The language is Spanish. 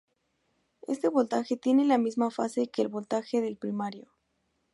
Este voltaje tiene la misma fase que el voltaje del primario.